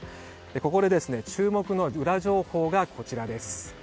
ここで注目のウラ情報がこちらです。